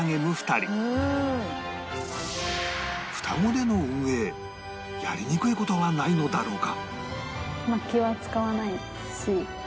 双子での運営やりにくい事はないのだろうか？